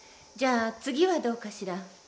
じゃあ次はどうかしら。